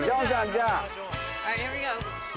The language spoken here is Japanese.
じゃあ。